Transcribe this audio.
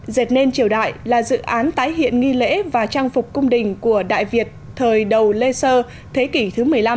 dệt nên triều đại là dự án tái hiện nghi lễ và trang phục cung đình của đại việt thời đầu lê sơ thế kỷ thứ một mươi năm